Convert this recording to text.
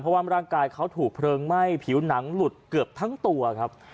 เพราะว่าร่างกายเขาถูกเพลิงไหม้ผิวหนังหลุดเกือบทั้งตัวครับ